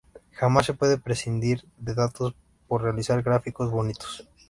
Jamás se puede prescindir de datos por realizar gráficos ‘bonitos’.